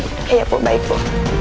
iya bu baik bu